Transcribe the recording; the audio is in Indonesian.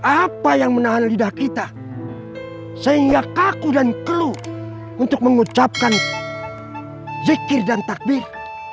apa yang menahan lidah kita sehingga kaku dan keluh untuk mengucapkan zikir dan takbir